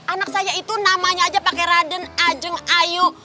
anak saya itu namanya aja pakai raden ajeng ayu